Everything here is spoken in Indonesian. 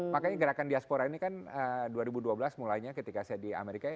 makanya gerakan diaspora ini kan dua ribu dua belas mulainya ketika saya di amerika